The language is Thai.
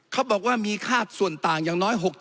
เขาบอกว่ามีค่าส่วนต่างอย่างน้อย๖๗